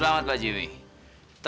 kamu spinach terus aja sita